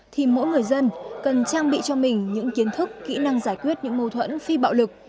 thì mỗi người dân cần trang bị cho mình những kiến thức kỹ năng giải quyết những mâu thuẫn phi bạo lực